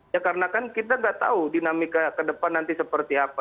ya karena kan kita nggak tahu dinamika ke depan nanti seperti apa